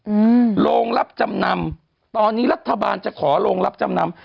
อืมโรงรับจำนำตอนนี้รัฐบาลจะขอโรงรับจำนำ